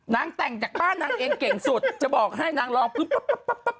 นางแต่งจากบ้านนางเองเก่งสุดจะบอกให้นางลองปุ๊บ